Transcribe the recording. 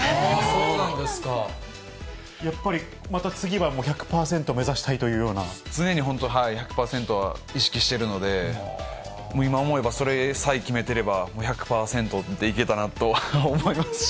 やっぱりまた次はもう１００常に本当、１００％は意識してるので、今思えば、それさえ決めてれば、１００％でいけたなと思いますし。